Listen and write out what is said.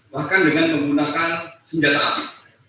bahkan dengan menggunakan senjata api